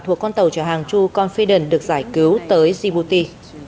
thuộc con tàu chở hàng chu confident được giải cứu tới djibouti